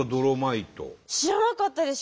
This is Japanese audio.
知らなかったです。